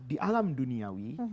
di alam duniawi